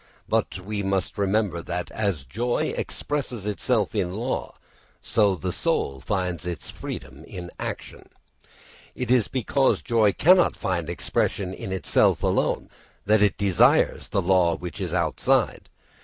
But we must remember that as joy expresses itself in law, so the soul finds its freedom in action. It is because joy cannot find expression in itself alone that it desires the law which is outside.